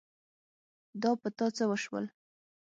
دا په تا څه وشول ؟